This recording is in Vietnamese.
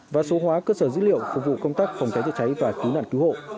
và số hóa cơ sở dữ liệu phục vụ công tác phòng cháy chữa cháy và cứu nạn cứu hộ